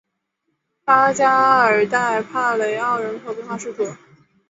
拉加尔代帕雷奥人口变化图示